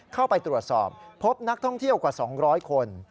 เข้าไปตรวจสอบพบนักท่องเที่ยวกว่า๒๐๐คน